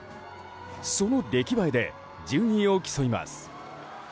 その出来栄えで順位を競います。